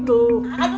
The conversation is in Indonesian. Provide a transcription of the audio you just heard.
aduh bang aduh